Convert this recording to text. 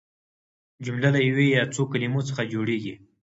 جمله له یوې یا څو کلیمو څخه جوړیږي.